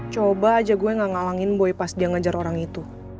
coba aja gue gak ngalangin boy pas dia ngajar orang itu